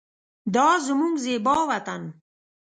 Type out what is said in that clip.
دا زمونږ زیبا وطن